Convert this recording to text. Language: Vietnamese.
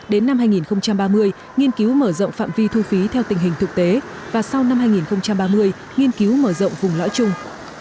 đến năm hai nghìn ba mươi nghiên cứu mở rộng phạm vi thu phí theo tình hình thực tế và sau năm hai nghìn ba mươi nghiên cứu mở rộng vùng lõi trung